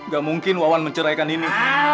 gak mungkin wawan menceraikan ini